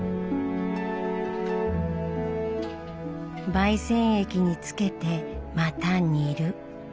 媒染液につけてまた煮る。